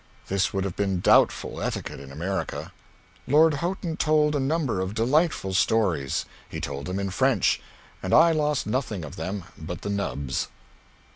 This would have been doubtful etiquette in America. Lord Houghton told a number of delightful stories. He told them in French, and I lost nothing of them but the nubs.